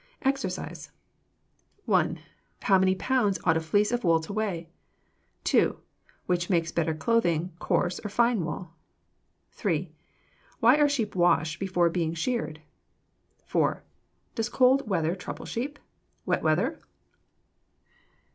EXERCISE 1. How many pounds ought a fleece of wool to weigh? 2. Which makes the better clothing, coarse or fine wool? 3. Why are sheep washed before being sheared? 4. Does cold weather trouble sheep? wet weather?